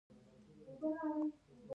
آیا د جوارو پاڼې ولې ژیړیږي؟